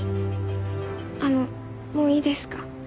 あのもういいですか？